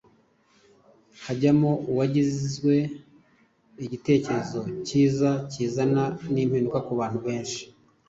hajyamo uwagizwe igitecyerezo kiza kizana nimpinduka kubantu benshi.